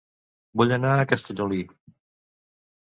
Vull anar a Castellolí